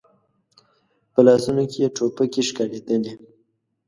په لاسونو کې يې ټوپکې ښکارېدلې.